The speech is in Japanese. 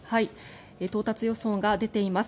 到達予想が出ています。